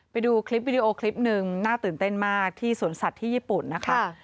ไปดูคลิปวิดีโอคลิปหนึ่งน่าตื่นเต้นมากที่สวนสัตว์ที่ญี่ปุ่นนะคะ